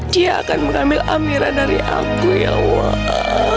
dia akan mengambil amirah dari aku ya allah